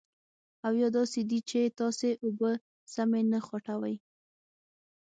او یا داسې دي چې تاسې اوبه سمې نه خوټوئ.